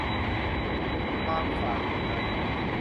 ความฝ่ากฎจราจร